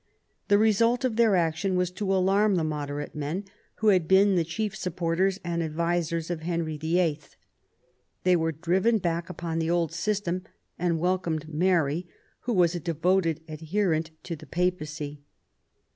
The result of their action was to alarm the moderate men, who had been the chief supporters and advisers of Henry VIII. They were driven back upon the old system, and welcomed Mary, who was a de voted adherent to the Papacy.